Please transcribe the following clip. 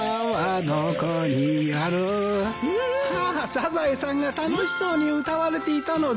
サザエさんが楽しそうに歌われていたので。